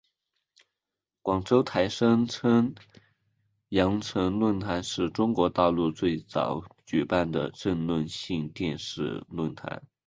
广州台声称羊城论坛是中国大陆最早举办的政论性电视论坛。